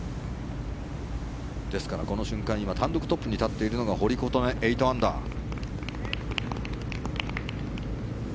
ですから、この瞬間単独トップに立っているのが堀琴音、８アンダー。